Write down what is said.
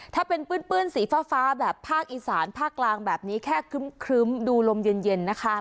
ถ้าเป็นปื้นปื้นสีฟ้าฟ้าแบบภาคอีสานภาคกลางแบบนี้แค่ครึ้มครึ้มดูลมเย็นเย็นนะคะ